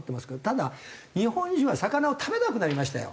ただ日本人は魚を食べなくなりましたよ。